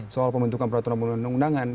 soal pembentukan peraturan undang undangan